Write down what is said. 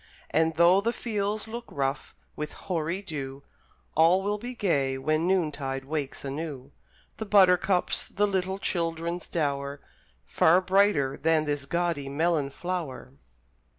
And though the fields look rough with hoary dew, All will be gay when noontide wakes anew The buttercups, the little children's dower, Far brighter than this gaudy melon flower!